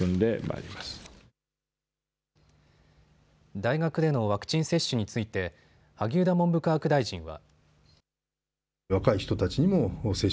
大学でのワクチン接種について萩生田文部科学大臣は。